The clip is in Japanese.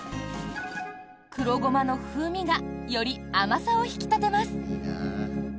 黒ごまの風味がより甘さを引き立てます。